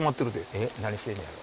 えっ何してんねやろ。